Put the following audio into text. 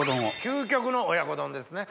究極の親子丼ですね。